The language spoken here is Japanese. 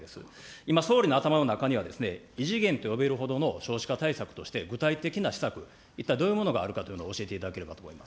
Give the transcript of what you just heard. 今、総理の頭の中には、異次元と呼べるほどの少子化対策として具体的な施策、一体どういうものがあるかと、教えていただければと思います。